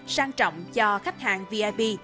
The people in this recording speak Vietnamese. sang trọng cho khách hàng vip